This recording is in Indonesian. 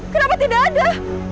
kenapa tidak ada